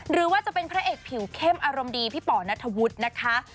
หรือว่าจะเป็นพระเอกผิวเข้มอารมณ์ดีพี่ป่อนัทธวุฒินะคะ